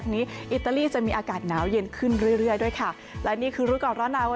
นี่อย่างที่คุณผู้ชมเห็